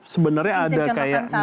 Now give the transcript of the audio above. sebenarnya ada kayak misalnya